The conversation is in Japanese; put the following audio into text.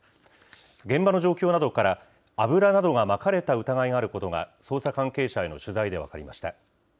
現場の状況などから、油などがまかれた疑いがあることが、捜査関係者への取材で分かりました。